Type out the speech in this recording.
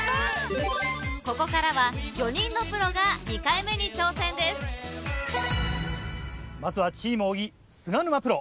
ここからは４人のプロが２回目に挑戦ですまずはチーム小木・菅沼プロ。